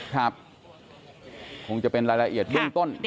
ครับคงจะเป็นรายละเอียดเบื้องต้น